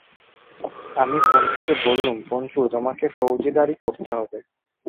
আমি পঞ্চুকে বললুম, পঞ্চু, তোমাকে ফৌজদারি করতে হবে।